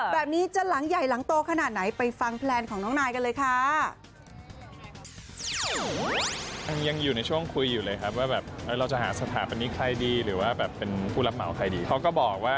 แบบนี้จะหลังใหญ่หลังโตขนาดไหนไปฟังแพลนของน้องนายกันเลยค่ะ